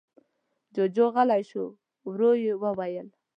جُوجُو غلی شو. ورو يې وويل: